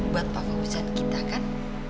buat pak fauzan kita kan